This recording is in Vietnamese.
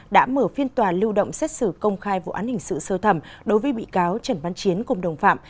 đã mở phiên tòa lưu động xét xử công khai vụ án hình sự sơ thẩm đối với bị cáo trần văn chiến cùng đồng phạm